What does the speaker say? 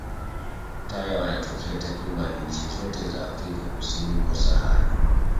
Taya wanatokea takriban nchi zote za Afrika kusini kwa Sahara.